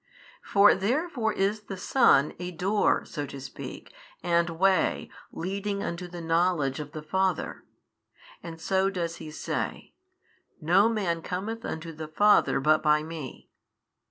For therefore is the Son a Door (so to speak) and way leading unto the knowledge of the Father. And so does He say, No man cometh unto the Father but by Me.